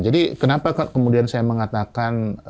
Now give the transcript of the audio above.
jadi kenapa kemudian saya mengatakan